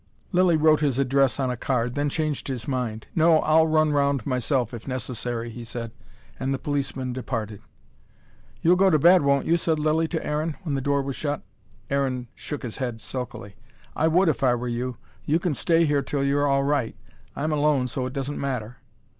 Lilly wrote his address on a card, then changed his mind. "No, I'll run round myself if necessary," he said. And the policeman departed. "You'll go to bed, won't you?" said Lilly to Aaron, when the door was shut. Aaron shook his head sulkily. "I would if I were you. You can stay here till you're all right. I'm alone, so it doesn't matter."